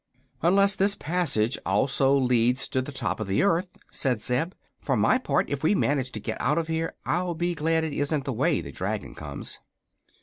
Unless this passage also leads to the top of the earth," said Zeb. "For my part, if we manage to get out of here I'll be glad it isn't the way the dragon goes."